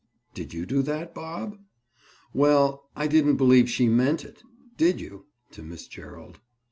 "Did you do that, Bob?" "Well, I didn't believe she meant it. Did you?" To Miss Gerald.